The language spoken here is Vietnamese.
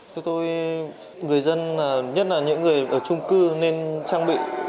chúng tôi người dân nhất là những người ở trung cư nên trang bị